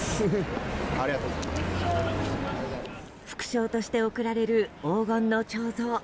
副賞として贈られる黄金の彫像